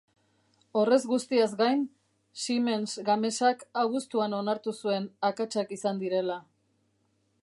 Horrez guztiaz gain, Siemens Gamesak abuztuan onartu zuen akatsak izan direla.